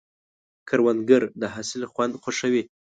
کروندګر د حاصل خوند خوښوي